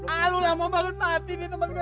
ah lo lama banget mati nih temen gue